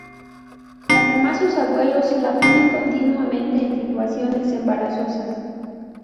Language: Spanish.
Además, sus abuelos la ponen continuamente en situaciones embarazosas.